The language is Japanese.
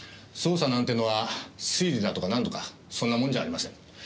捜査なんてのは推理だとかなんとかそんなもんじゃありません。